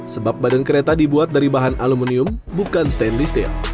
sebab badan kereta dibuat dari bahan aluminium bukan stainley steel